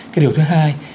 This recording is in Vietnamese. cái điều thứ hai